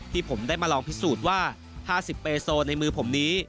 ผมได้มาลองพิสูจน์ว่า๕๐เบโซในมือผมนี้